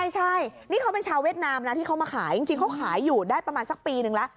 ใช่นี่เขาเป็นชาวเวียดนามนะที่เขามาขายจริงเขาขายอยู่ได้ประมาณสักปีนึงแล้ว